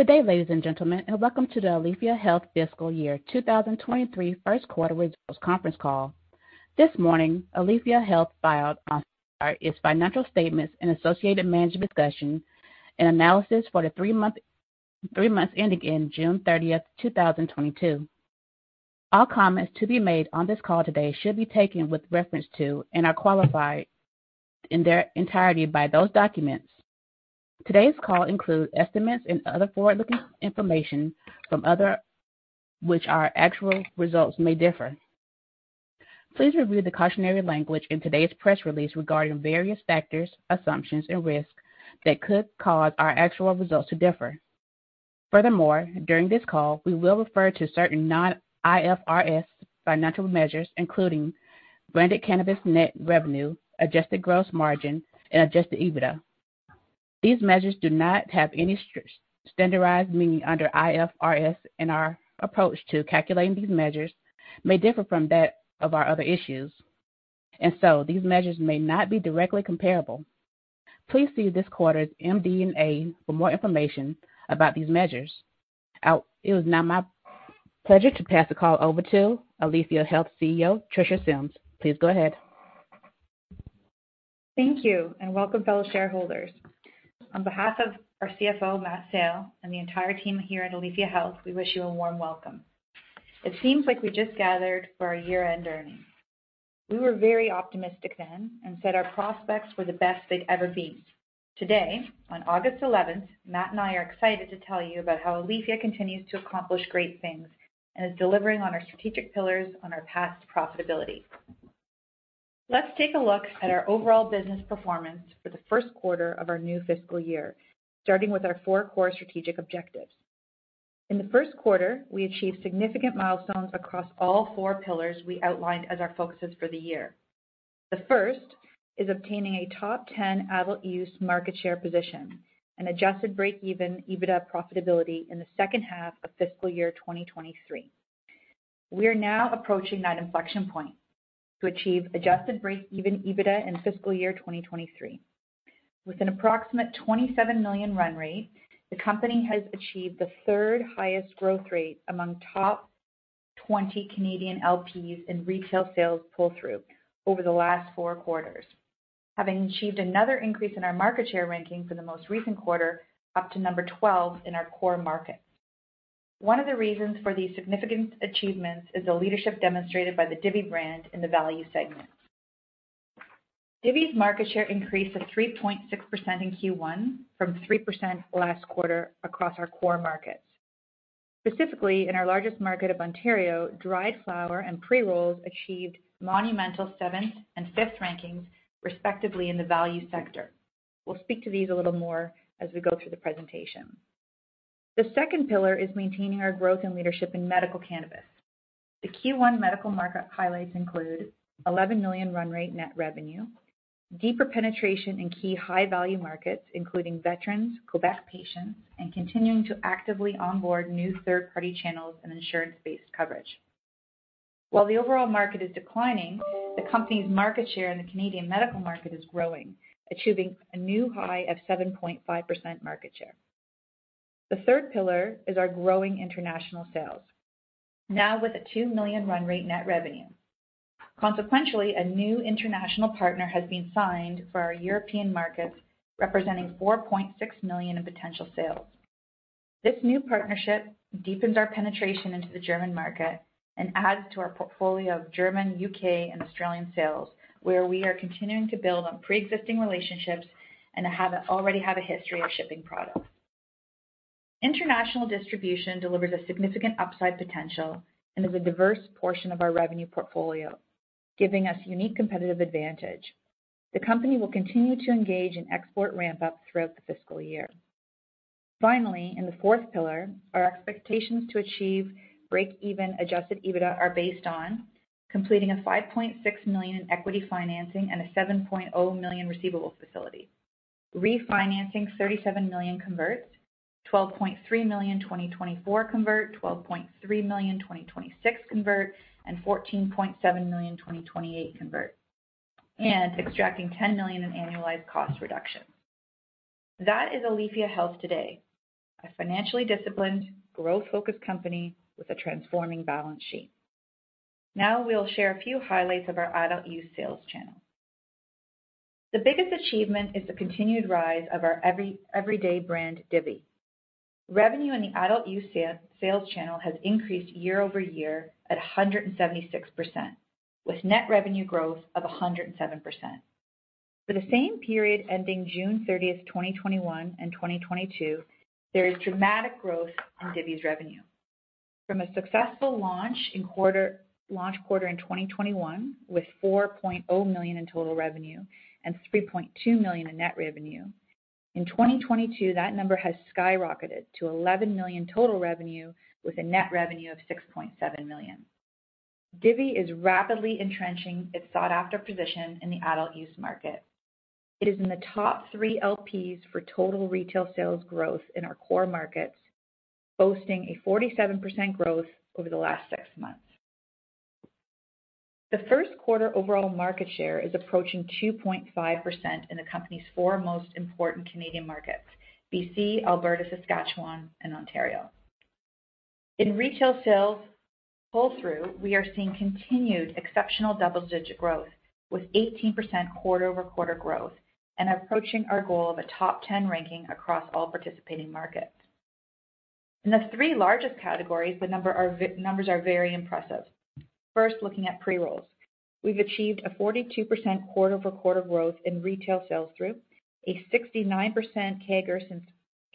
Good day, ladies and gentlemen, and welcome to the Aleafia Health Fiscal Year 2023 First Quarter Results Conference Call. This morning, Aleafia Health filed its financial statements and associated management discussion and analysis for the three months ending June 30, 2022. All comments to be made on this call today should be taken with reference to and are qualified in their entirety by those documents. Today's call includes estimates and other forward-looking information from which our actual results may differ. Please review the cautionary language in today's press release regarding various factors, assumptions, and risks that could cause our actual results to differ. Furthermore, during this call, we will refer to certain non-IFRS financial measures, including branded cannabis net revenue, adjusted gross margin, and adjusted EBITDA. These measures do not have any standardized meaning under IFRS, and our approach to calculating these measures may differ from that of our other issuers, and so these measures may not be directly comparable. Please see this quarter's MD&A for more information about these measures. It is my pleasure to pass the call over to Aleafia Health CEO, Tricia Symmes. Please go ahead. Thank you, and welcome, fellow shareholders. On behalf of our CFO, Matt Sale, and the entire team here at Aleafia Health, we wish you a warm welcome. It seems like we just gathered for our year-end earnings. We were very optimistic then and said our prospects were the best they'd ever been. Today, on August 11th, Matt and I are excited to tell you about how Aleafia continues to accomplish great things and is delivering on our strategic pillars on our path to profitability. Let's take a look at our overall business performance for the first quarter of our new fiscal year, starting with our four core strategic objectives. In the first quarter, we achieved significant milestones across all four pillars we outlined as our focuses for the year. The first is obtaining a top 10 adult-use market share position and adjusted breakeven EBITDA profitability in the second half of fiscal year 2023. We are now approaching that inflection point to achieve adjusted breakeven EBITDA in fiscal year 2023. With an approximate 27 million run rate, the company has achieved the third highest growth rate among top 20 Canadian LPs in retail sales pull-through over the last four quarters. Having achieved another increase in our market share ranking for the most recent quarter, up to number 12 in our core markets. One of the reasons for these significant achievements is the leadership demonstrated by the Divvy brand in the value segment. Divvy's market share increased to 3.6% in Q1 from 3% last quarter across our core markets. Specifically, in our largest market of Ontario, dried flower and pre-rolls achieved monumental seventh and fifth rankings, respectively in the value sector. We'll speak to these a little more as we go through the presentation. The second pillar is maintaining our growth and leadership in medical cannabis. The Q1 medical market highlights include 11 million run rate net revenue, deeper penetration in key high-value markets, including veterans, Quebec patients, and continuing to actively onboard new third-party channels and insurance-based coverage. While the overall market is declining, the company's market share in the Canadian medical market is growing, achieving a new high of 7.5% market share. The third pillar is our growing international sales, now with a 2 million run rate net revenue. Consequentially, a new international partner has been signed for our European markets, representing 4.6 million in potential sales. This new partnership deepens our penetration into the German market and adds to our portfolio of German, U.K., and Australian sales, where we are continuing to build on pre-existing relationships and already have a history of shipping product. International distribution delivers a significant upside potential and is a diverse portion of our revenue portfolio, giving us unique competitive advantage. The company will continue to engage in export ramp-up throughout the fiscal year. Finally, in the fourth pillar, our expectations to achieve breakeven adjusted EBITDA are based on completing a 5.6 million in equity financing and a 7.0 million receivable facility, refinancing 37 million converts, 12.3 million 2024 convert, 12.3 million 2026 convert, and 14.7 million 2028 convert, and extracting 10 million in annualized cost reduction. That is Aleafia Health today, a financially disciplined, growth-focused company with a transforming balance sheet. Now we'll share a few highlights of our adult use sales channel. The biggest achievement is the continued rise of our everyday brand, Divvy. Revenue in the adult use sales channel has increased year-over-year at 176%, with net revenue growth of 107%. For the same period ending June 30th, 2021 and 2022, there is dramatic growth in Divvy's revenue. From a successful launch in launch quarter in 2021 with 4.0 million in total revenue and 3.2 million in net revenue, in 2022, that number has skyrocketed to 11 million total revenue with a net revenue of 6.7 million. Divvy is rapidly entrenching its sought-after position in the adult use market. It is in the top three LPs for total retail sales growth in our core markets, boasting a 47% growth over the last six months. The first quarter overall market share is approaching 2.5% in the company's four most important Canadian markets, BC, Alberta, Saskatchewan, and Ontario. In retail sales pull-through, we are seeing continued exceptional double-digit growth with 18% quarter-over-quarter growth and approaching our goal of a top 10 ranking across all participating markets. In the three largest categories, numbers are very impressive. First, looking at pre-rolls, we've achieved a 42% quarter-over-quarter growth in retail sales through, a 69% CAGR since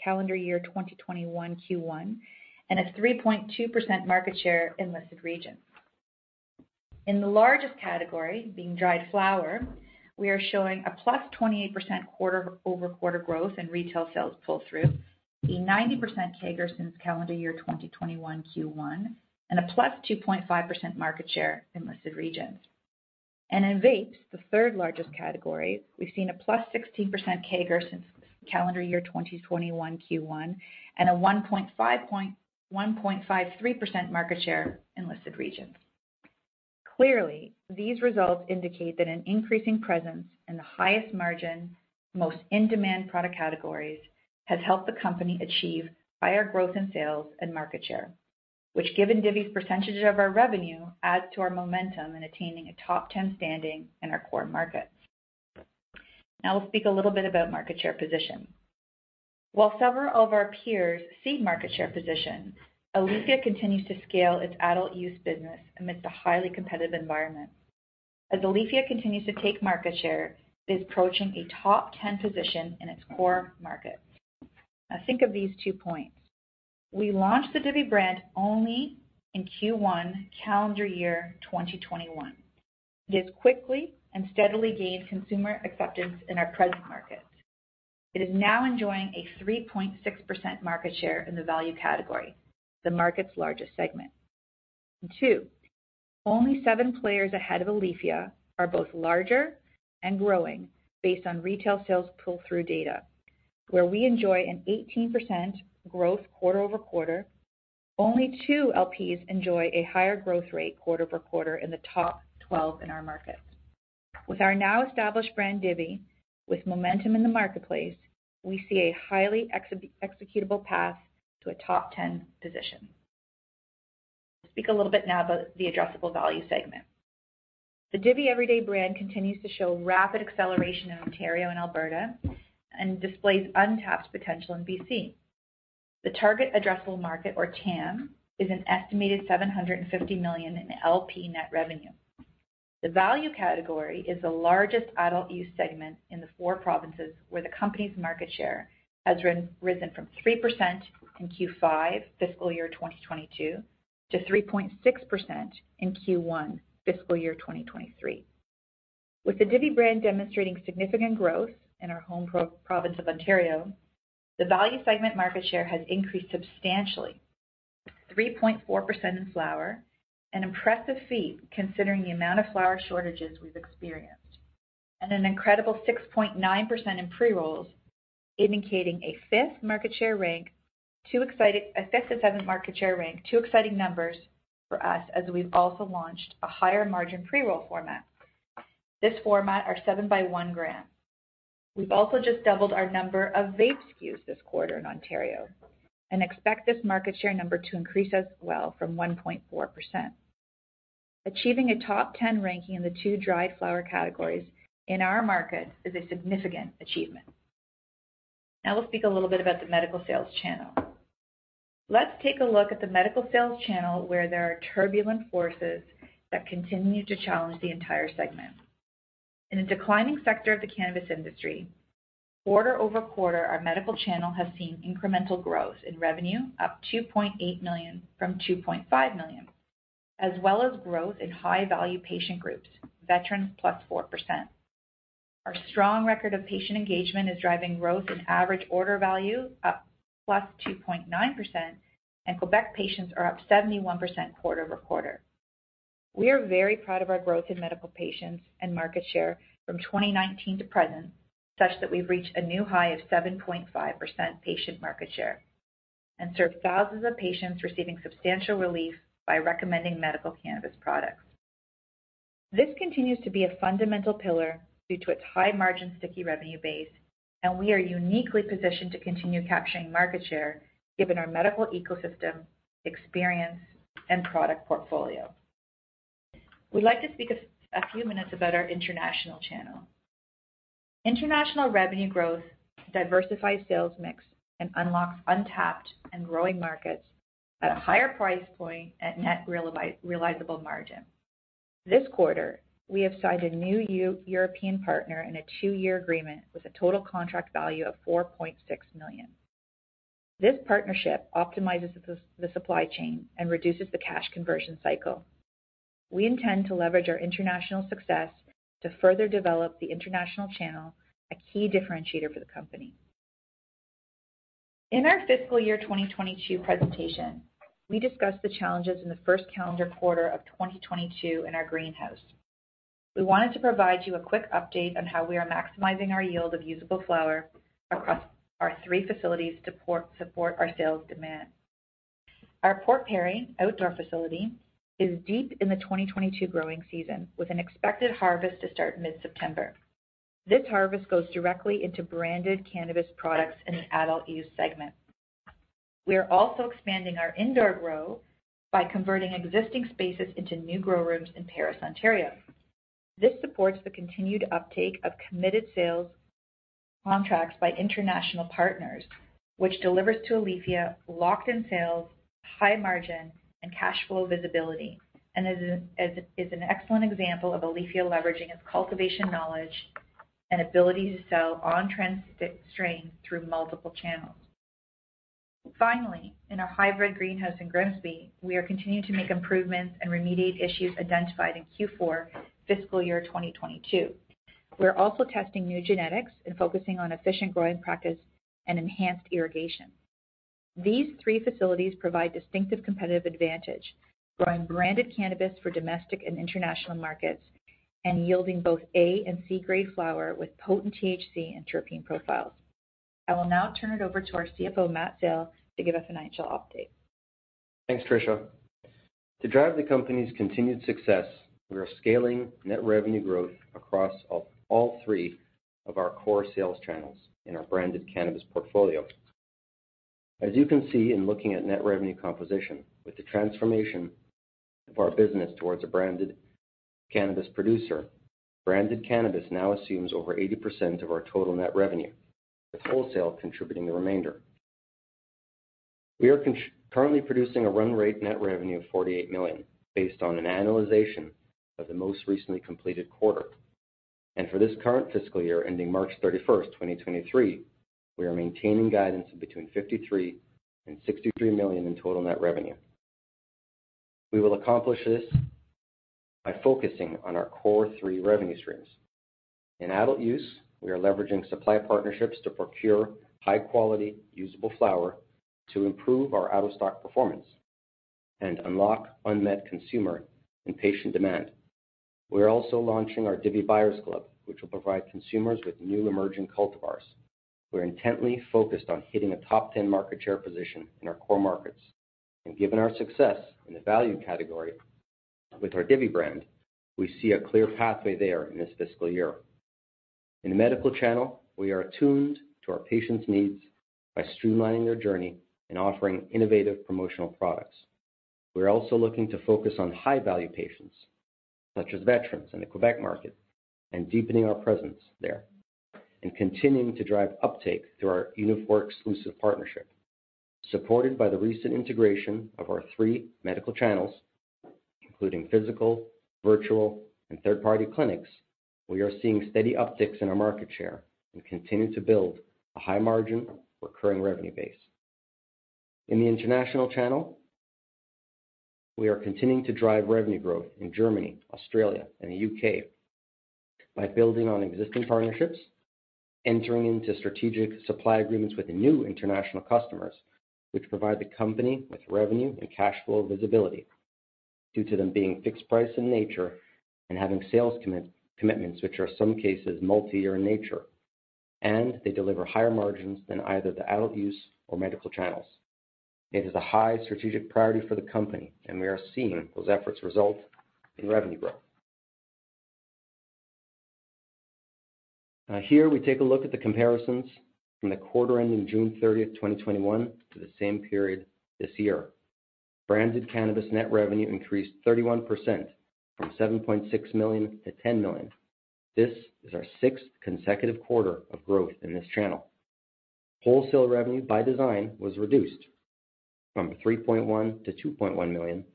calendar year 2021 Q1, and a 3.2% market share in listed regions. In the largest category, being dried flower, we are showing a +28% quarter-over-quarter growth in retail sales pull through, a 90% CAGR since calendar year 2021 Q1, and a +2.5% market share in listed regions. In vapes, the third-largest category, we've seen a +16% CAGR since calendar year 2021 Q1, and a 1.53% market share in listed regions. Clearly, these results indicate that an increasing presence in the highest margin, most in-demand product categories has helped the company achieve higher growth in sales and market share, which given Divvy's percentage of our revenue adds to our momentum in attaining a top 10 standing in our core markets. Now we'll speak a little bit about market share position. While several of our peers cede market share position, Aleafia continues to scale its adult use business amidst a highly competitive environment. As Aleafia continues to take market share, it is approaching a top 10 position in its core markets. Now think of these two points. We launched the Divvy brand only in Q1 calendar year 2021. It has quickly and steadily gained consumer acceptance in our present markets. It is now enjoying a 3.6% market share in the value category, the market's largest segment. Two, only seven players ahead of Aleafia are both larger and growing based on retail sales pull-through data, where we enjoy an 18% growth quarter-over-quarter. Only two LPs enjoy a higher growth rate quarter-over-quarter in the top 12 in our markets. With our now established brand Divvy, with momentum in the marketplace, we see a highly executable path to a top ten position. Speak a little bit now about the addressable value segment. The Divvy Everyday brand continues to show rapid acceleration in Ontario and Alberta and displays untapped potential in BC. The target addressable market or TAM is an estimated 750 million in LP net revenue. The value category is the largest adult use segment in the four provinces, where the company's market share has risen from 3% in Q5 fiscal year 2022 to 3.6% in Q1 fiscal year 2023. With the Divvy brand demonstrating significant growth in our home pro-province of Ontario, the value segment market share has increased substantially, 3.4% in flower, an impressive feat considering the amount of flower shortages we've experienced, and an incredible 6.9% in pre-rolls, indicating a fifth to seventh market share rank, two exciting numbers for us as we've also launched a higher margin pre-roll format. This format are 7 by 1 g. We've also just doubled our number of vape SKUs this quarter in Ontario and expect this market share number to increase as well from 1.4%. Achieving a top 10 ranking in the two dried flower categories in our market is a significant achievement. Now we'll speak a little bit about the medical sales channel. Let's take a look at the medical sales channel where there are turbulent forces that continue to challenge the entire segment. In a declining sector of the cannabis industry, quarter-over-quarter, our medical channel has seen incremental growth in revenue up 2.8 million from 2.5 million, as well as growth in high-value patient groups. Veterans, +4%. Our strong record of patient engagement is driving growth in average order value up +2.9%, and Quebec patients are up 71% quarter-over-quarter. We are very proud of our growth in medical patients and market share from 2019 to present, such that we've reached a new high of 7.5% patient market share and served thousands of patients receiving substantial relief by recommending medical cannabis products. This continues to be a fundamental pillar due to its high margin sticky revenue base, and we are uniquely positioned to continue capturing market share given our medical ecosystem, experience, and product portfolio. We'd like to speak a few minutes about our international channel. International revenue growth diversifies sales mix and unlocks untapped and growing markets at a higher price point and net realizable margin. This quarter, we have signed a new European partner in a two-year agreement with a total contract value of 4.6 million. This partnership optimizes the supply chain and reduces the cash conversion cycle. We intend to leverage our international success to further develop the international channel, a key differentiator for the company. In our fiscal year 2022 presentation, we discussed the challenges in the first calendar quarter of 2022 in our greenhouse. We wanted to provide you a quick update on how we are maximizing our yield of usable flower across our three facilities to support our sales demand. Our Port Perry outdoor facility is deep in the 2022 growing season, with an expected harvest to start mid-September. This harvest goes directly into branded cannabis products in the adult use segment. We are also expanding our indoor grow by converting existing spaces into new grow rooms in Paris, Ontario. This supports the continued uptake of committed sales contracts by international partners, which delivers to Aleafia locked in sales, high margin, and cash flow visibility, and is an excellent example of Aleafia leveraging its cultivation knowledge and ability to sell on-trend strains through multiple channels. Finally, in our hybrid greenhouse in Grimsby, we are continuing to make improvements and remediate issues identified in Q4 fiscal year 2022. We're also testing new genetics and focusing on efficient growing practice and enhanced irrigation. These three facilities provide distinctive competitive advantage, growing branded cannabis for domestic and international markets, and yielding both A and C grade flower with potent THC and terpene profiles. I will now turn it over to our CFO, Matt Sale, to give a financial update. Thanks, Tricia. To drive the company's continued success, we are scaling net revenue growth across all three of our core sales channels in our branded cannabis portfolio. As you can see in looking at net revenue composition, with the transformation of our business towards a branded cannabis producer, branded cannabis now assumes over 80% of our total net revenue, with wholesale contributing the remainder. We are concurrently producing a run rate net revenue of 48 million based on an annualization of the most recently completed quarter. For this current fiscal year ending March 31, 2023, we are maintaining guidance of between 53 million and 63 million in total net revenue. We will accomplish this by focusing on our core three revenue streams. In adult use, we are leveraging supply partnerships to procure high-quality usable flower to improve our out-of-stock performance and unlock unmet consumer and patient demand. We are also launching our Divvy Buyers Club, which will provide consumers with new emerging cultivars. We're intently focused on hitting a top ten market share position in our core markets. Given our success in the value category with our Divvy brand, we see a clear pathway there in this fiscal year. In the medical channel, we are attuned to our patients' needs by streamlining their journey and offering innovative promotional products. We're also looking to focus on high-value patients, such as veterans in the Quebec market, and deepening our presence there, and continuing to drive uptake through our Unifor exclusive partnership. Supported by the recent integration of our three medical channels, including physical, virtual, and third-party clinics, we are seeing steady upticks in our market share and continue to build a high-margin recurring revenue base. In the international channel, we are continuing to drive revenue growth in Germany, Australia, and the U.K. by building on existing partnerships, entering into strategic supply agreements with the new international customers, which provide the company with revenue and cash flow visibility due to them being fixed price in nature and having sales commitments which are in some cases multi-year in nature. They deliver higher margins than either the adult-use or medical channels. It is a high strategic priority for the company, and we are seeing those efforts result in revenue growth. Now here we take a look at the comparisons from the quarter ending June 30, 2021 to the same period this year. Branded cannabis net revenue increased 31% from 7.6 million to 10 million. This is our sixth consecutive quarter of growth in this channel. Wholesale revenue by design was reduced from 3.1 million to 2.1 million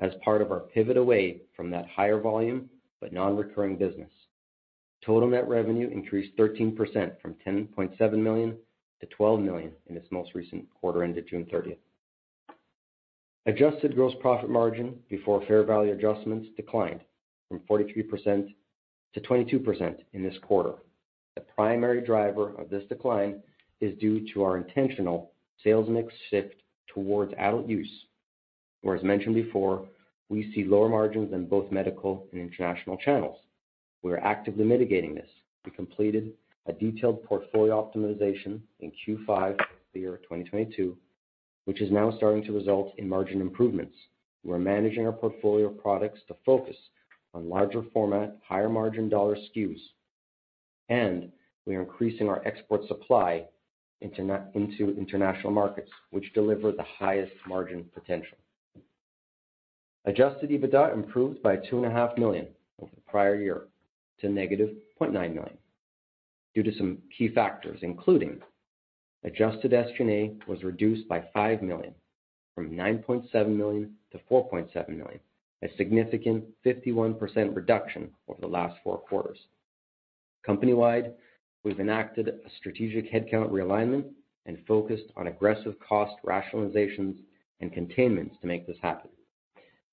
as part of our pivot away from that higher volume but non-recurring business. Total net revenue increased 13% from 10.7 million to 12 million in its most recent quarter ended June 30th. Adjusted gross profit margin before fair value adjustments declined from 43% to 22% in this quarter. The primary driver of this decline is due to our intentional sales mix shift towards adult use, whereas, as mentioned before, we see lower margins in both medical and international channels. We are actively mitigating this. We completed a detailed portfolio optimization in Q5 of the year 2022, which is now starting to result in margin improvements. We're managing our portfolio of products to focus on larger format, higher margin dollar SKUs, and we are increasing our export supply into international markets which deliver the highest margin potential. Adjusted EBITDA improved by 2.5 Million over the prior year to -0.9 million due to some key factors, including adjusted SG&A was reduced by 5 million from 9.7 million to 4.7 million, a significant 51% reduction over the last four quarters. Company-wide, we've enacted a strategic headcount realignment and focused on aggressive cost rationalizations and containments to make this happen.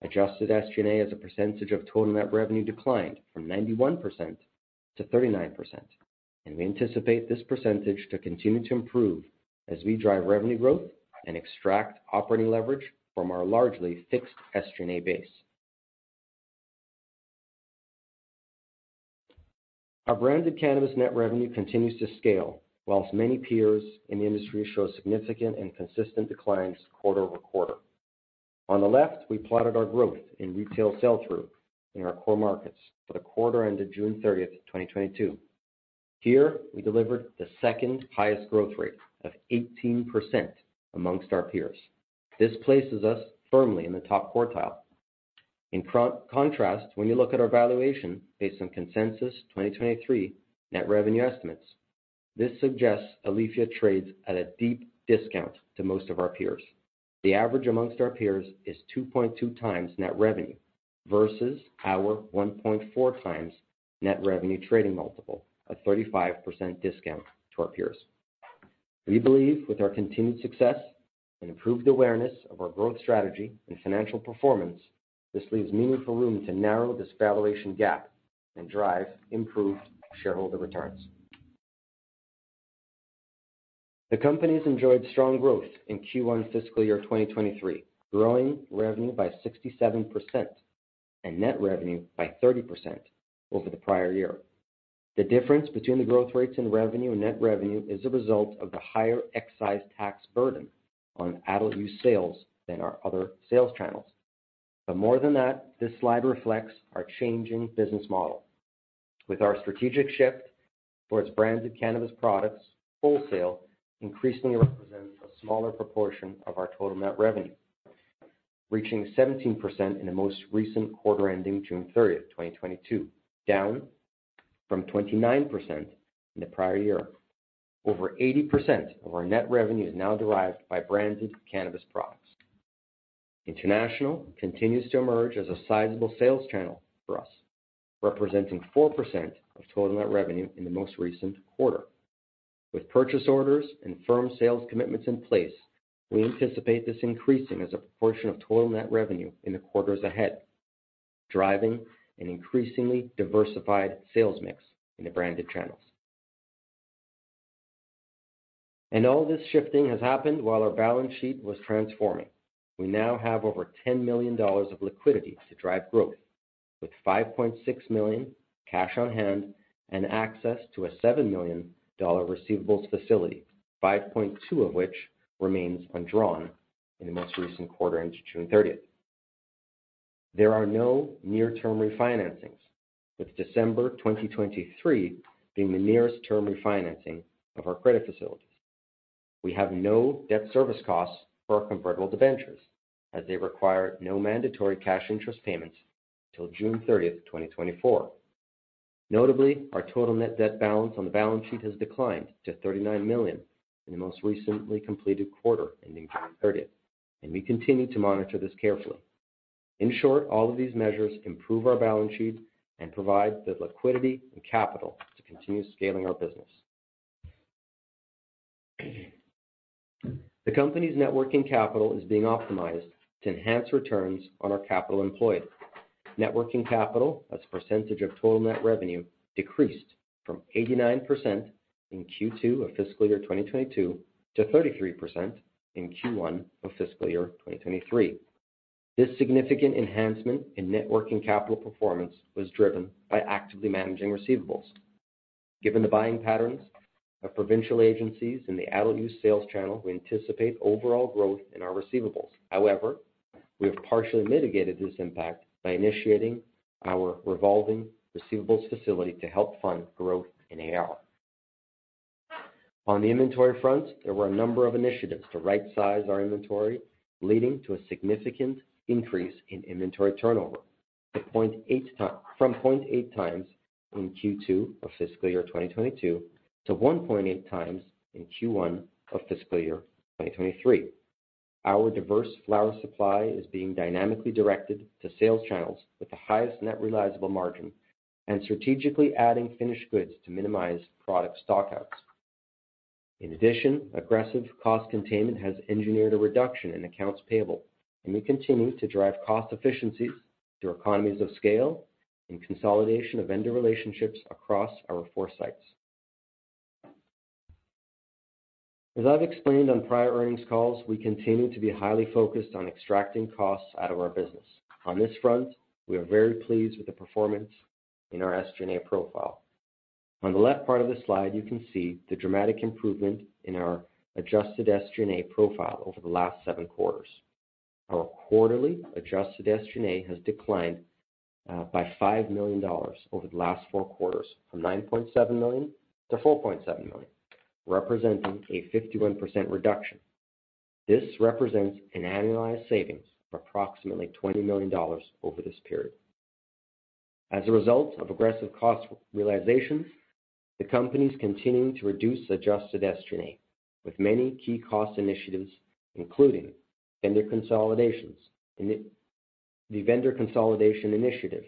Adjusted SG&A as a percentage of total net revenue declined from 91% to 39%, and we anticipate this percentage to continue to improve as we drive revenue growth and extract operating leverage from our largely fixed SG&A base. Our branded cannabis net revenue continues to scale, whilst many peers in the industry show significant and consistent declines quarter over quarter. On the left, we plotted our growth in retail sales through our core markets for the quarter ended June 30th, 2022. Here we delivered the second highest growth rate of 18% amongst our peers. This places us firmly in the top quartile. In contrast, when you look at our valuation based on consensus 2023 net revenue estimates, this suggests Aleafia trades at a deep discount to most of our peers. The average among our peers is 2.2x net revenue versus our 1.4x net revenue trading multiple, a 35% discount to our peers. We believe with our continued success and improved awareness of our growth strategy and financial performance, this leaves meaningful room to narrow this valuation gap and drive improved shareholder returns. The company's enjoyed strong growth in Q1 fiscal year 2023, growing revenue by 67% and net revenue by 30% over the prior year. The difference between the growth rates in revenue and net revenue is a result of the higher excise tax burden on adult use sales than our other sales channels. More than that, this slide reflects our changing business model. With our strategic shift towards branded cannabis products, wholesale increasingly represents a smaller proportion of our total net revenue, reaching 17% in the most recent quarter ending June 30, 2022, down from 29% in the prior year. Over 80% of our net revenue is now derived by branded cannabis products. International continues to emerge as a sizable sales channel for us, representing 4% of total net revenue in the most recent quarter. With purchase orders and firm sales commitments in place, we anticipate this increasing as a proportion of total net revenue in the quarters ahead, driving an increasingly diversified sales mix in the branded channels. All this shifting has happened while our balance sheet was transforming. We now have over 10 million dollars of liquidity to drive growth, with 5.6 million cash on hand and access to a 7 million dollar receivables facility, 5.2 of which remains undrawn in the most recent quarter ended June 30. There are no near-term refinancings, with December 2023 being the nearest term refinancing of our credit facilities. We have no debt service costs for our convertible debentures, as they require no mandatory cash interest payments until June 30, 2024. Notably, our total net debt balance on the balance sheet has declined to 39 million in the most recently completed quarter ending June 30, and we continue to monitor this carefully. In short, all of these measures improve our balance sheet and provide the liquidity and capital to continue scaling our business. The company's net working capital is being optimized to enhance returns on our capital employed. Net working capital, as a percentage of total net revenue, decreased from 89% in Q2 of fiscal year 2022 to 33% in Q1 of fiscal year 2023. This significant enhancement in net working capital performance was driven by actively managing receivables. Given the buying patterns of provincial agencies in the adult use sales channel, we anticipate overall growth in our receivables. However, we have partially mitigated this impact by initiating our revolving receivables facility to help fund growth in AR. On the inventory front, there were a number of initiatives to rightsize our inventory, leading to a significant increase in inventory turnover from 0.8x in Q2 of fiscal year 2022 to 1.8x in Q1 of fiscal year 2023. Our diverse flower supply is being dynamically directed to sales channels with the highest net realizable margin and strategically adding finished goods to minimize product stock-outs. In addition, aggressive cost containment has engineered a reduction in accounts payable, and we continue to drive cost efficiencies through economies of scale and consolidation of vendor relationships across our four sites. As I've explained on prior earnings calls, we continue to be highly focused on extracting costs out of our business. On this front, we are very pleased with the performance in our SG&A profile. On the left part of the slide, you can see the dramatic improvement in our adjusted SG&A profile over the last seven quarters. Our quarterly adjusted SG&A has declined by 5 million dollars over the last four quarters, from 9.7 million to 4.7 million, representing a 51% reduction. This represents an annualized savings of approximately 20 million dollars over this period. As a result of aggressive cost realizations, the company's continuing to reduce adjusted SG&A with many key cost initiatives, including the vendor consolidation initiative,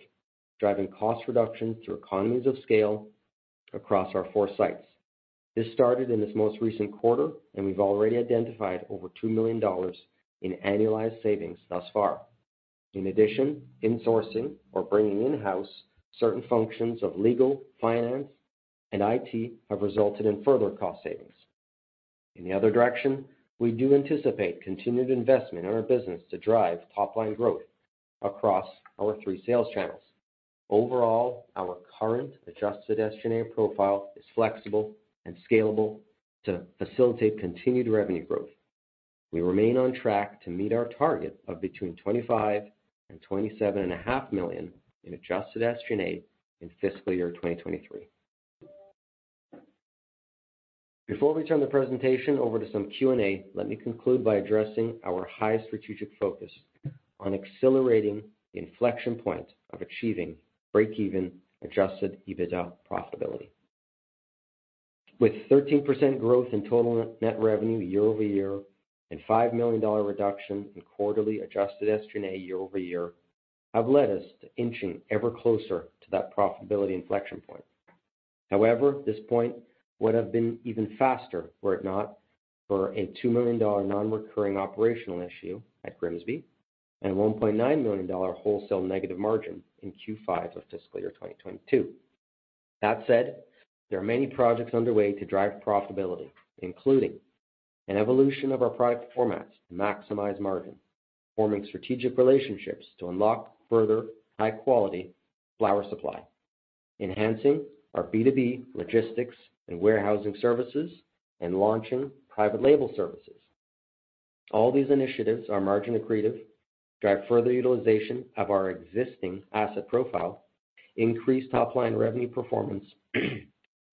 driving cost reductions through economies of scale across our four sites. This started in this most recent quarter, and we've already identified over 2 million dollars in annualized savings thus far. In addition, insourcing or bringing in-house certain functions of legal, finance, and IT have resulted in further cost savings. In the other direction, we do anticipate continued investment in our business to drive top-line growth across our three sales channels. Overall, our current adjusted SG&A profile is flexible and scalable to facilitate continued revenue growth. We remain on track to meet our target of between 25 million and 27.5 million in adjusted SG&A in fiscal year 2023. Before we turn the presentation over to some Q&A, let me conclude by addressing our high strategic focus on accelerating inflection point of achieving break-even adjusted EBITDA profitability. With 13% growth in total net revenue year-over-year and 5 million dollar reduction in quarterly adjusted SG&A year over year have led us to inching ever closer to that profitability inflection point. However, this point would have been even faster were it not for a 2 million dollar non-recurring operational issue at Grimsby and 1.9 million dollar wholesale negative margin in Q5 of fiscal year 2022. That said, there are many projects underway to drive profitability, including an evolution of our product formats to maximize margin, forming strategic relationships to unlock further high-quality flower supply, enhancing our B2B logistics and warehousing services, and launching private label services. All these initiatives are margin accretive, drive further utilization of our existing asset profile, increase top-line revenue performance,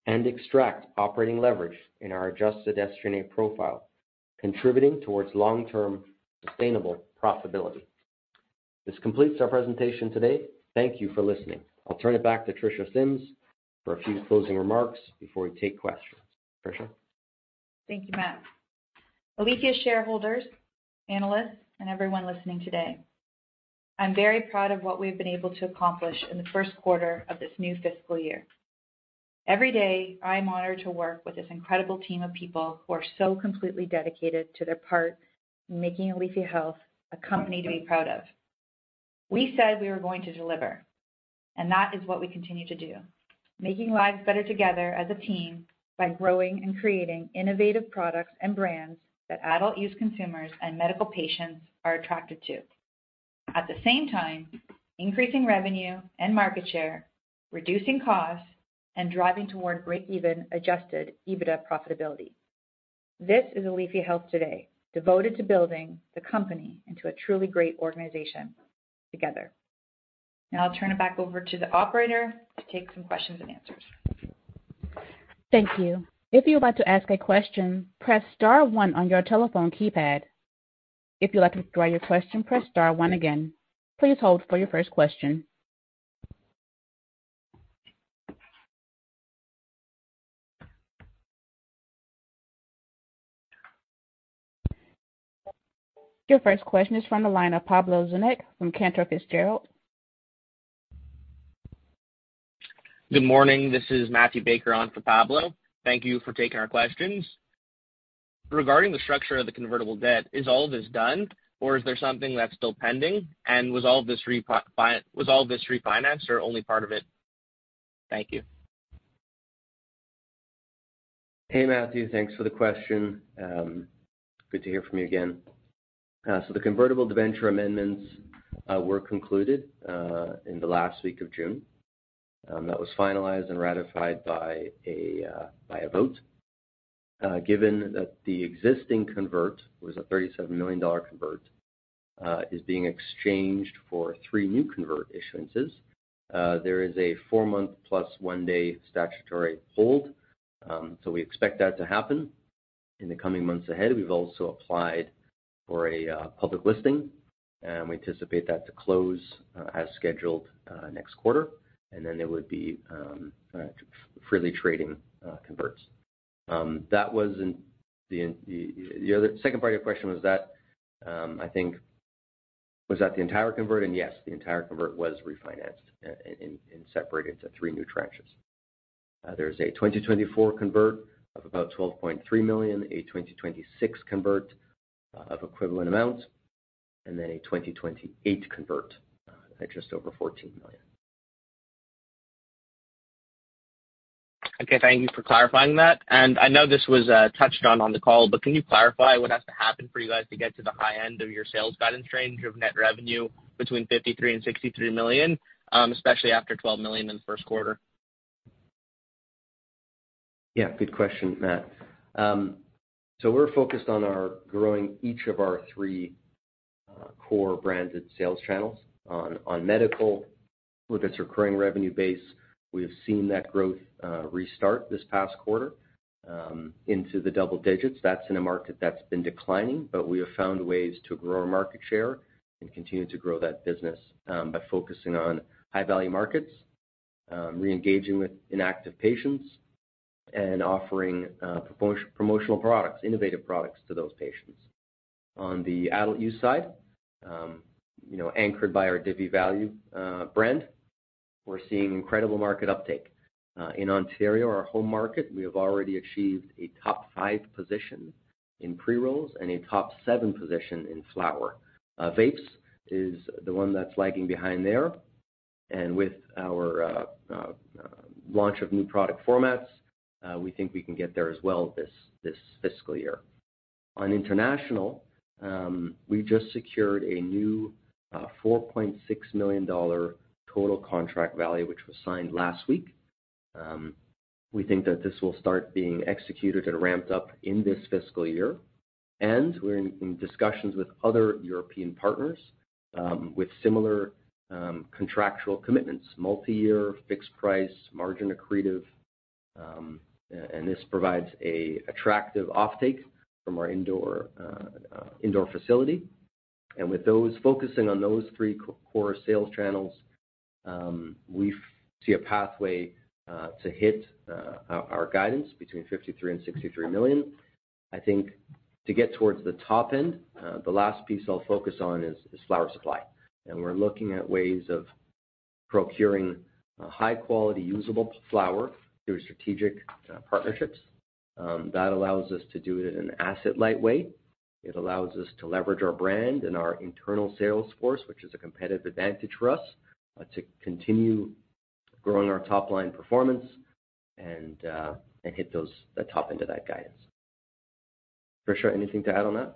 and extract operating leverage in our adjusted SG&A profile, contributing towards long-term sustainable profitability. This completes our presentation today. Thank you for listening. I'll turn it back to Tricia Symmes for a few closing remarks before we take questions. Tricia. Thank you, Matt. Aleafia shareholders, analysts, and everyone listening today, I'm very proud of what we've been able to accomplish in the first quarter of this new fiscal year. Every day, I am honored to work with this incredible team of people who are so completely dedicated to their part in making Aleafia Health a company to be proud of. We said we were going to deliver, and that is what we continue to do, making lives better together as a team by growing and creating innovative products and brands that adult use consumers and medical patients are attracted to. At the same time, increasing revenue and market share, reducing costs, and driving toward break-even adjusted EBITDA profitability. This is Aleafia Health today, devoted to building the company into a truly great organization together. Now I'll turn it back over to the operator to take some questions and answers. Thank you. If you'd like to ask a question, press star one on your telephone keypad. If you'd like to withdraw your question, press star one again. Please hold for your first question. Your first question is from the line of Pablo Zuanic from Cantor Fitzgerald. Good morning. This is Matthew Baker on for Pablo. Thank you for taking our questions. Regarding the structure of the convertible debt, is all this done, or is there something that's still pending? Was all this refinanced or only part of it? Thank you. Hey, Matthew. Thanks for the question. Good to hear from you again. So the convertible debenture amendments were concluded in the last week of June. That was finalized and ratified by a vote. Given that the existing convert, it was a 37 million dollar convert, is being exchanged for three new convert issuances. There is a four-month plus one-day statutory hold. So we expect that to happen in the coming months ahead. We've also applied for a public listing, and we anticipate that to close as scheduled next quarter. Then there would be freely trading converts. That was the other second part of your question was that, I think, the entire convert? Yes, the entire convert was refinanced and separated to three new tranches. There's a 2024 convertible of about 12.3 million, a 2026 convertible of equivalent amount, and then a 2028 convertible at just over CAD 14 million. Okay. Thank you for clarifying that. I know this was touched on on the call, but can you clarify what has to happen for you guys to get to the high end of your sales guidance range of net revenue between 53 million and 63 million, especially after 12 million in the first quarter? Yeah, good question, Matt. So we're focused on growing each of our three core branded sales channels. On medical, with its recurring revenue base, we have seen that growth restart this past quarter into the double digits. That's in a market that's been declining, but we have found ways to grow our market share and continue to grow that business by focusing on high-value markets, re-engaging with inactive patients and offering promotional products, innovative products to those patients. On the adult use side, you know, anchored by our Divvy value brand, we're seeing incredible market uptake. In Ontario, our home market, we have already achieved a top five position in pre-rolls and a top seven position in flower. Vapes is the one that's lagging behind there. With our launch of new product formats, we think we can get there as well this fiscal year. On international, we just secured a new 4.6 million dollar total contract value, which was signed last week. We think that this will start being executed and ramped up in this fiscal year. We're in discussions with other European partners with similar contractual commitments, multi-year fixed price, margin accretive. This provides an attractive offtake from our indoor facility. With those focusing on those three core sales channels, we see a pathway to hit our guidance between 53 million and 63 million. I think to get towards the top end, the last piece I'll focus on is flower supply. We're looking at ways of procuring high quality usable flower through strategic partnerships. That allows us to do it in asset-light way. It allows us to leverage our brand and our internal sales force, which is a competitive advantage for us, to continue growing our top-line performance and hit the top end of that guidance. Tricia, anything to add on that?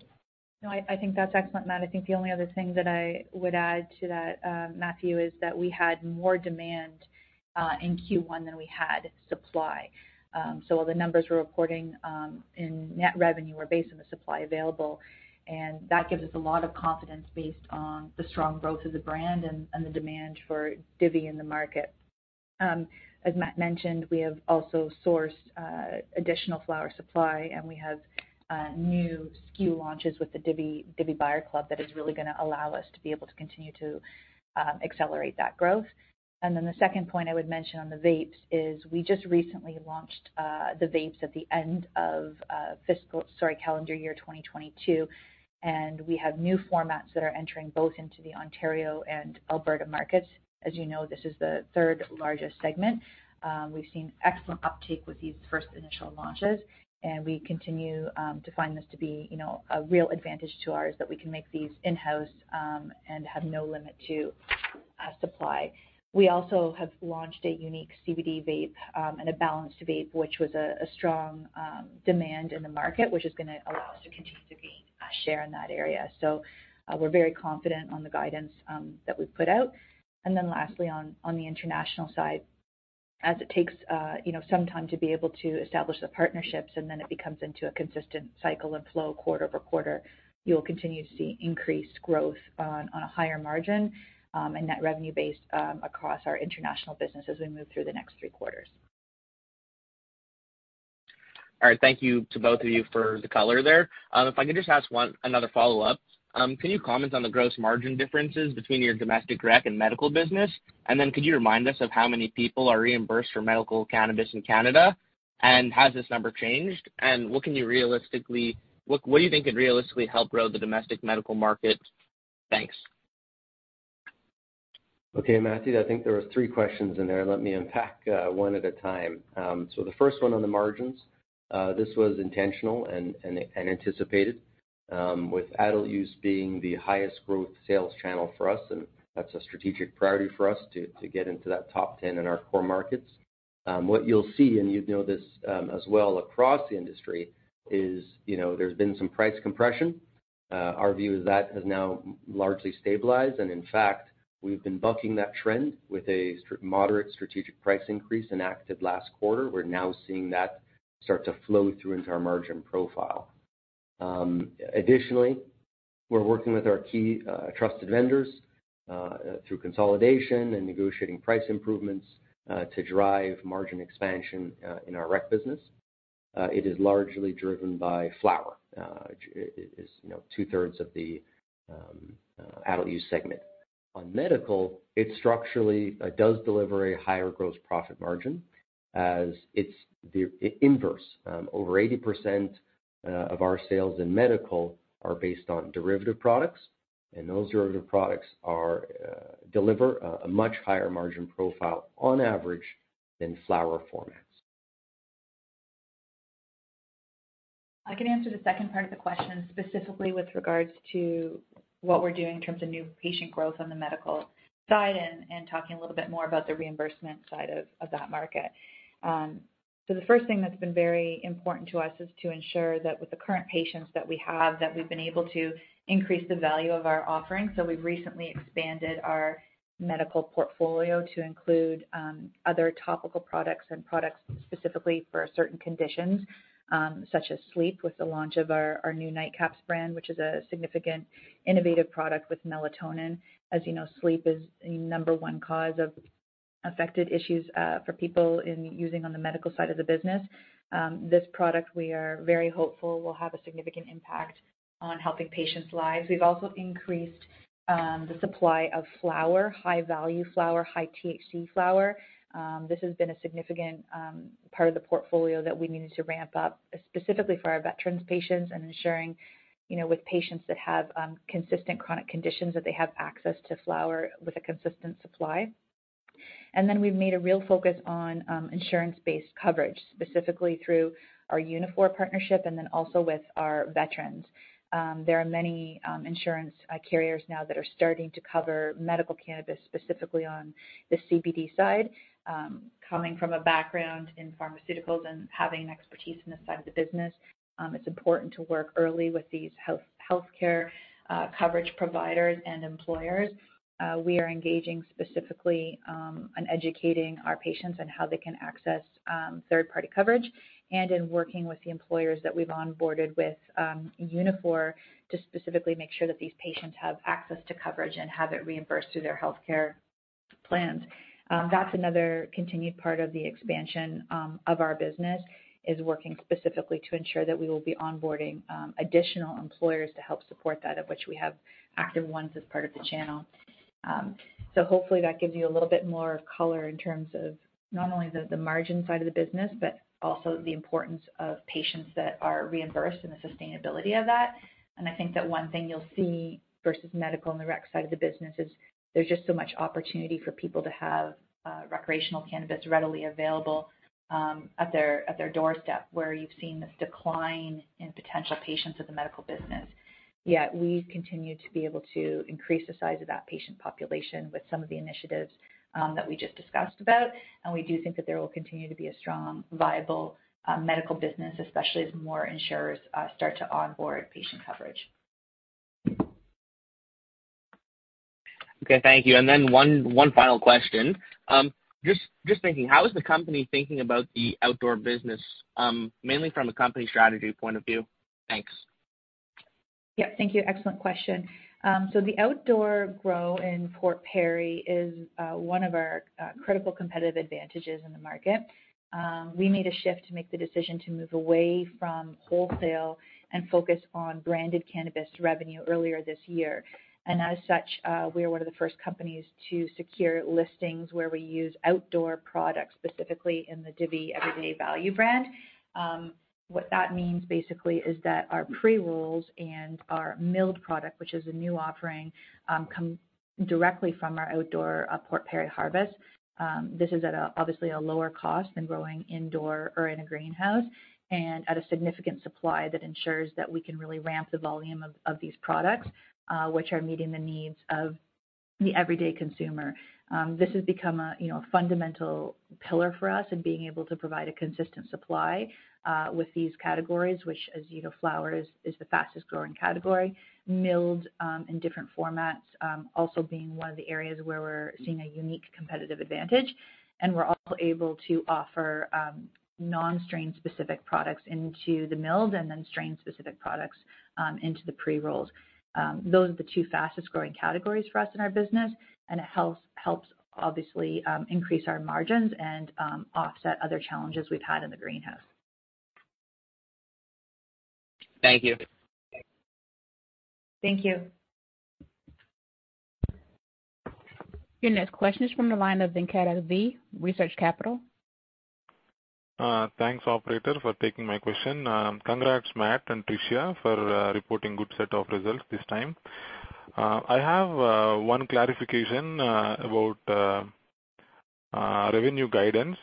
No, I think that's excellent, Matt. I think the only other thing that I would add to that, Matthew, is that we had more demand in Q1 than we had supply. So the numbers we're reporting in net revenue were based on the supply available, and that gives us a lot of confidence based on the strong growth of the brand and the demand for Divvy in the market. As Matt mentioned, we have also sourced additional flower supply, and we have new SKU launches with the Divvy Buyer's Club that is really gonna allow us to be able to continue to accelerate that growth. Then the second point I would mention on the vapes is we just recently launched the vapes at the end of fiscal. Calendar year 2022, and we have new formats that are entering both into the Ontario and Alberta markets. As you know, this is the third largest segment. We've seen excellent uptake with these first initial launches, and we continue to find this to be, you know, a real advantage to ours that we can make these in-house, and have no limit to supply. We also have launched a unique CBD vape and a balanced vape, which was a strong demand in the market, which is gonna allow us to continue to gain share in that area. We're very confident on the guidance that we've put out. Lastly, on the international side, as it takes you know some time to be able to establish the partnerships and then it becomes into a consistent cycle and flow quarter-over-quarter, you'll continue to see increased growth on a higher margin and net revenue base across our international business as we move through the next three quarters. All right. Thank you to both of you for the color there. If I could just ask another follow-up. Can you comment on the gross margin differences between your domestic rec and medical business? Then could you remind us of how many people are reimbursed for medical cannabis in Canada, and has this number changed? What do you think could realistically help grow the domestic medical market? Thanks. Okay, Matthew. I think there were three questions in there. Let me unpack one at a time. The first one on the margins, this was intentional and anticipated, with adult use being the highest growth sales channel for us, and that's a strategic priority for us to get into that top 10 in our core markets. What you'll see, and you'd know this, as well across the industry is, you know, there's been some price compression. Our view is that has now largely stabilized, and in fact, we've been bucking that trend with a moderate strategic price increase enacted last quarter. We're now seeing that start to flow through into our margin profile. Additionally, we're working with our key trusted vendors through consolidation and negotiating price improvements to drive margin expansion in our rec business. It is largely driven by flower. It is, you know, 2/3 of the adult use segment. On medical, it structurally does deliver a higher gross profit margin as it's the inverse. Over 80% of our sales in medical are based on derivative products, and those derivative products deliver a much higher margin profile on average than flower formats. I can answer the second part of the question, specifically with regards to what we're doing in terms of new patient growth on the medical side and talking a little bit more about the reimbursement side of that market. The first thing that's been very important to us is to ensure that with the current patients that we have, that we've been able to increase the value of our offering. We've recently expanded our medical portfolio to include other topical products and products specifically for certain conditions, such as sleep with the launch of our new Nightcaps brand, which is a significant innovative product with melatonin. As you know, sleep is the number one issue affecting people using on the medical side of the business. This product we are very hopeful will have a significant impact on helping patients' lives. We've also increased the supply of flower, high-value flower, high-THC flower. This has been a significant part of the portfolio that we needed to ramp up, specifically for our veteran patients and ensuring, you know, with patients that have consistent chronic conditions, that they have access to flower with a consistent supply. We've made a real focus on insurance-based coverage, specifically through our Unifor partnership and then also with our veterans. There are many insurance carriers now that are starting to cover medical cannabis, specifically on the CBD side. Coming from a background in pharmaceuticals and having expertise in this side of the business, it's important to work early with these healthcare coverage providers and employers. We are engaging specifically on educating our patients on how they can access third-party coverage and in working with the employers that we've onboarded with Unifor to specifically make sure that these patients have access to coverage and have it reimbursed through their healthcare plans. That's another continued part of the expansion of our business, is working specifically to ensure that we will be onboarding additional employers to help support that, of which we have active ones as part of the channel. Hopefully that gives you a little bit more color in terms of not only the margin side of the business, but also the importance of patients that are reimbursed and the sustainability of that. I think that one thing you'll see versus medical and the rec side of the business is there's just so much opportunity for people to have recreational cannabis readily available at their doorstep, where you've seen this decline in potential patients of the medical business. Yet we continue to be able to increase the size of that patient population with some of the initiatives that we just discussed about. We do think that there will continue to be a strong, viable medical business, especially as more insurers start to onboard patient coverage. Okay. Thank you. One final question. Just thinking, how is the company thinking about the outdoor business, mainly from a company strategy point of view? Thanks. Yeah. Thank you. Excellent question. The outdoor grow in Port Perry is one of our critical competitive advantages in the market. We made a shift to make the decision to move away from wholesale and focus on branded cannabis revenue earlier this year. As such, we are one of the first companies to secure listings where we use outdoor products, specifically in the Divvy Everyday Value brand. What that means basically is that our pre-rolls and our milled product, which is a new offering, come directly from our outdoor Port Perry harvest. This is at a obviously a lower cost than growing indoor or in a greenhouse and at a significant supply that ensures that we can really ramp the volume of these products, which are meeting the needs of the everyday consumer. This has become a, you know, fundamental pillar for us in being able to provide a consistent supply with these categories, which, as you know, flower is the fastest-growing category. Milled in different formats also being one of the areas where we're seeing a unique competitive advantage. We're also able to offer non-strain-specific products into the milled and then strain-specific products into the pre-rolls. Those are the two fastest-growing categories for us in our business, and it helps obviously increase our margins and offset other challenges we've had in the greenhouse. Thank you. Thank you. Your next question is from the line of Venkata V, Research Capital. Thanks, operator, for taking my question. Congrats, Matt and Tricia, for reporting good set of results this time. I have one clarification about revenue guidance.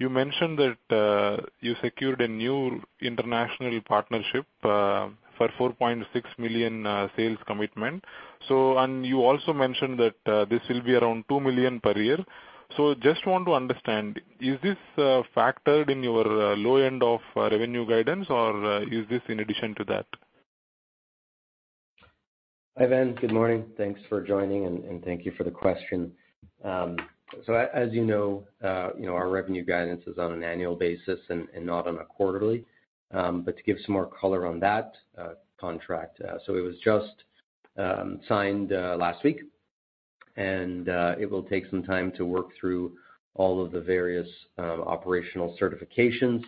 You mentioned that you secured a new international partnership for 4.6 million sales commitment. You also mentioned that this will be around 2 million per year. Just want to understand, is this factored in your low end of revenue guidance, or is this in addition to that? Hi, Ven. Good morning. Thanks for joining, and thank you for the question. As you know, you know, our revenue guidance is on an annual basis and not on a quarterly. To give some more color on that contract. It was just signed last week, and it will take some time to work through all of the various operational certifications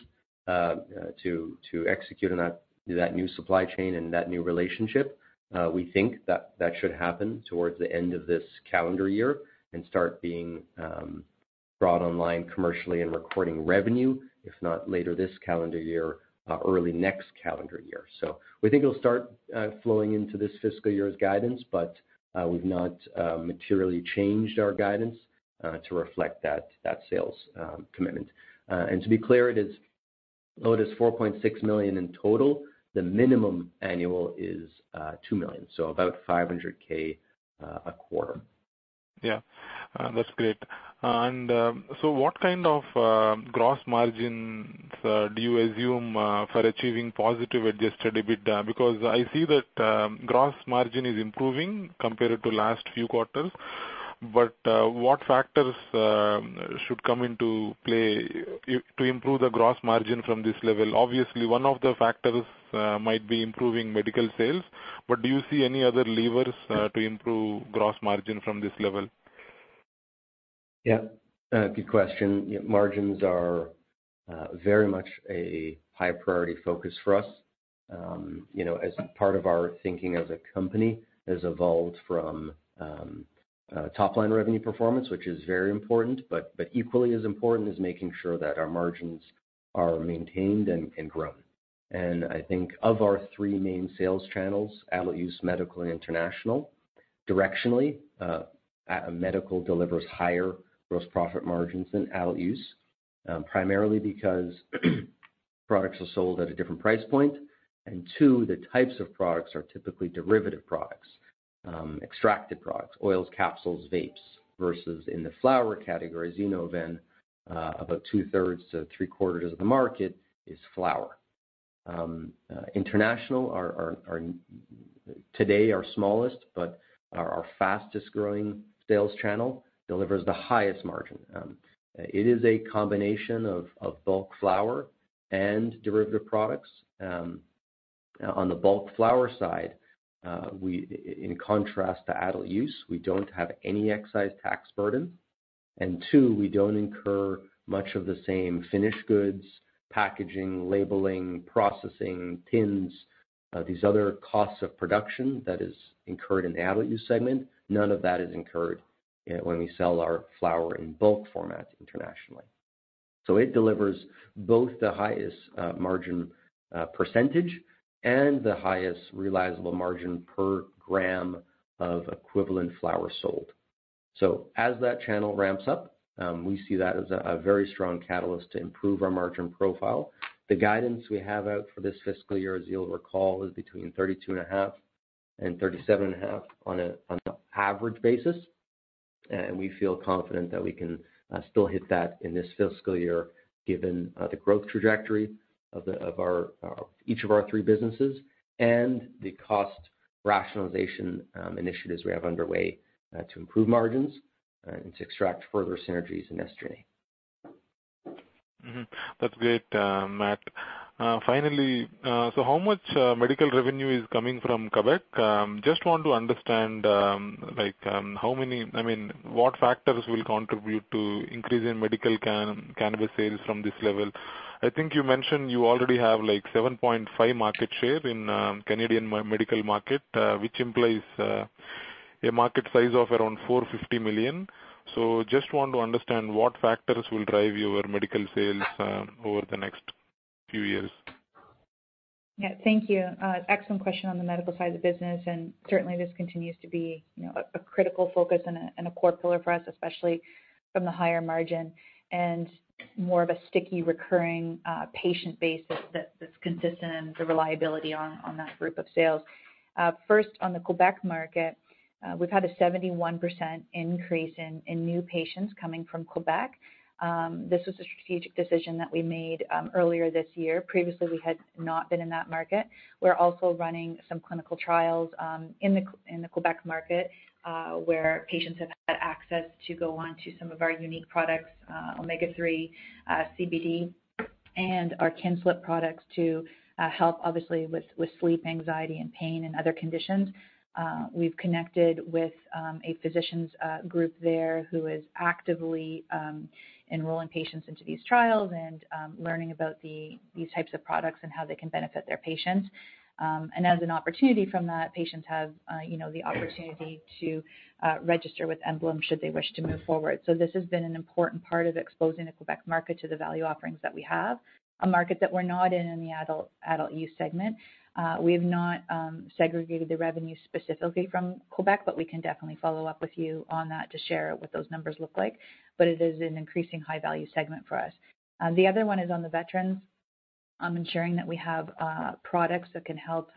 to execute on that new supply chain and that new relationship. We think that should happen towards the end of this calendar year and start being brought online commercially and recording revenue, if not later this calendar year, early next calendar year. We think it'll start flowing into this fiscal year's guidance, but we've not materially changed our guidance to reflect that sales commitment. To be clear, though it is 4.6 million in total, the minimum annual is 2 million, so about 500,000 a quarter. Yeah. That's great. What kind of gross margins do you assume for achieving positive adjusted EBITDA? Because I see that gross margin is improving compared to last few quarters, but what factors should come into play to improve the gross margin from this level? Obviously, one of the factors might be improving medical sales, but do you see any other levers to improve gross margin from this level? Yeah. Good question. Yeah, margins are very much a high priority focus for us. You know, as part of our thinking as a company has evolved from top-line revenue performance, which is very important, but equally as important is making sure that our margins are maintained and grown. I think of our three main sales channels, adult use, medical, and international, directionally, medical delivers higher gross profit margins than adult use, primarily because products are sold at a different price point. Two, the types of products are typically derivative products, extracted products, oils, capsules, vapes, versus in the flower category, as you know, Ven, about 2/3 to 3/4 of the market is flower. International is today our smallest, but our fastest-growing sales channel delivers the highest margin. It is a combination of bulk flower and derivative products. On the bulk flower side, in contrast to adult use, we don't have any excise tax burden. Two, we don't incur much of the same finished goods, packaging, labeling, processing, tins, these other costs of production that is incurred in the adult use segment. None of that is incurred when we sell our flower in bulk formats internationally. It delivers both the highest margin percentage and the highest realizable margin per gram of equivalent flower sold. As that channel ramps up, we see that as a very strong catalyst to improve our margin profile. The guidance we have out for this fiscal year, as you'll recall, is between 32.5% and 37.5% on an average basis. We feel confident that we can still hit that in this fiscal year, given the growth trajectory of each of our three businesses and the cost rationalization initiatives we have underway to improve margins and to extract further synergies in SG&A. That's great, Matt. Finally, how much medical revenue is coming from Quebec? Just want to understand, like, I mean, what factors will contribute to increase in medical cannabis sales from this level? I think you mentioned you already have, like, 7.5% market share in Canadian medical market, which implies a market size of around 450 million. Just want to understand what factors will drive your medical sales over the next few years. Yeah. Thank you. Excellent question on the medical side of the business, and certainly this continues to be, you know, a critical focus and a core pillar for us, especially from the higher margin and more of a sticky recurring patient base that's consistent and the reliability on that group of sales. First, on the Quebec market, we've had a 71% increase in new patients coming from Quebec. This was a strategic decision that we made earlier this year. Previously, we had not been in that market. We're also running some clinical trials in the Quebec market where patients have had access to go on to some of our unique products, Omega CBD and our Kin Slips products to help obviously with sleep, anxiety and pain and other conditions. We've connected with a physicians group there who is actively enrolling patients into these trials and learning about these types of products and how they can benefit their patients. As an opportunity from that, patients have you know the opportunity to register with Emblem should they wish to move forward. This has been an important part of exposing the Quebec market to the value offerings that we have, a market that we're not in in the adult use segment. We have not segregated the revenue specifically from Quebec, but we can definitely follow up with you on that to share what those numbers look like. It is an increasing high-value segment for us. The other one is on the veterans, ensuring that we have products that can help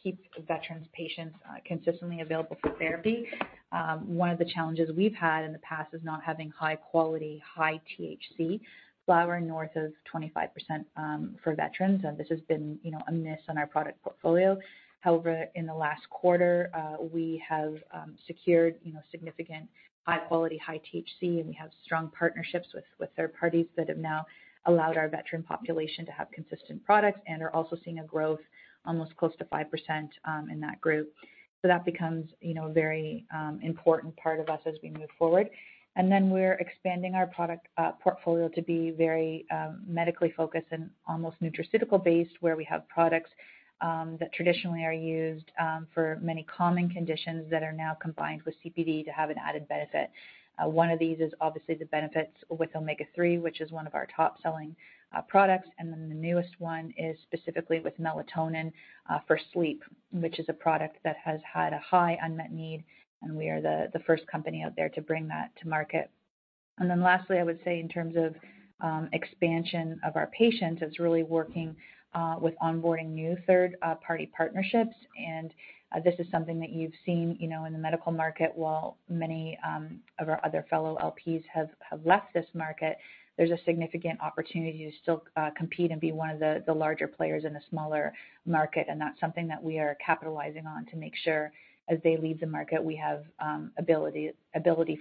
keep veteran patients consistently available for therapy. One of the challenges we've had in the past is not having high quality, high-THC flower north of 25%, for veterans, and this has been, you know, a miss on our product portfolio. However, in the last quarter, we have secured, you know, significant high quality, high THC, and we have strong partnerships with third parties that have now allowed our veteran population to have consistent products and are also seeing a growth almost close to 5%, in that group. That becomes, you know, a very important part of us as we move forward. We're expanding our product portfolio to be very medically focused and almost nutraceutical-based, where we have products that traditionally are used for many common conditions that are now combined with CBD to have an added benefit. One of these is obviously the benefits with omega-3, which is one of our top-selling products. The newest one is specifically with melatonin for sleep, which is a product that has had a high unmet need, and we are the first company out there to bring that to market. Lastly, I would say in terms of expansion of our patients, it's really working with onboarding new third party partnerships. This is something that you've seen, you know, in the medical market. While many of our other fellow LPs have left this market, there's a significant opportunity to still compete and be one of the larger players in the smaller market, and that's something that we are capitalizing on to make sure as they leave the market, we have ability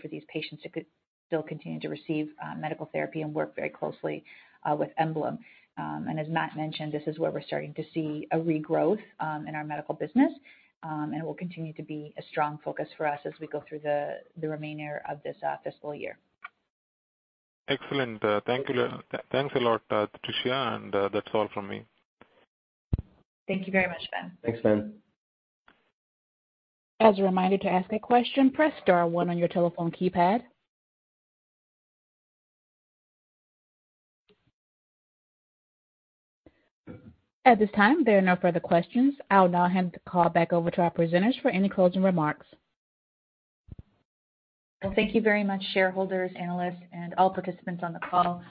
for these patients to still continue to receive medical therapy and work very closely with Emblem. As Matt mentioned, this is where we're starting to see a regrowth in our medical business, and it will continue to be a strong focus for us as we go through the remainder of this fiscal year. Excellent. Thank you. Thanks a lot to Tricia, and that's all from me. Thank you very much, Ven. Thanks, Ven. As a reminder to ask a question, press star one on your telephone keypad. At this time, there are no further questions. I'll now hand the call back over to our presenters for any closing remarks. Well, thank you very much, shareholders, analysts and all participants on the call.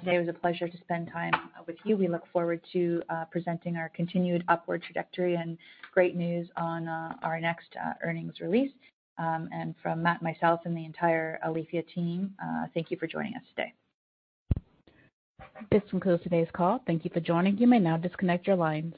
Today was a pleasure to spend time with you. We look forward to presenting our continued upward trajectory and great news on our next earnings release. From Matt, myself, and the entire Aleafia team, thank you for joining us today. This concludes today's call. Thank you for joining. You may now disconnect your lines.